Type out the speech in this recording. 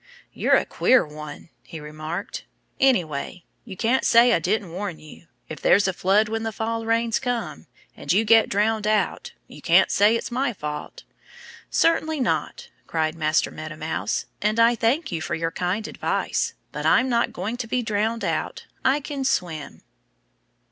"You're a queer one," he remarked. "Anyhow, you can't say I didn't warn you. If there's a flood when the fall rains come, and you get drowned out, you can't say it's my fault." "Certainly not!" cried Master Meadow Mouse. "And I thank you for your kind advice. But I'm not going to be drowned out. I can swim."